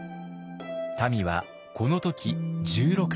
たみはこの時１６歳。